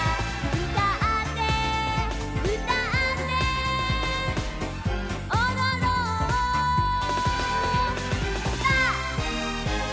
「うたってうたっておどろんぱ！」